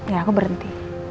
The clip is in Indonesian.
ya aku berhenti